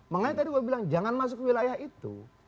makanya tadi gue bilang jangan masuk ke wilayah itu